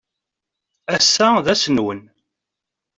Ass-a d ass-nnwen.